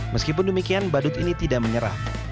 meskipun demikian badut ini tidak menyerah